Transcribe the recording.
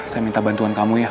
saya minta bantuan kamu ya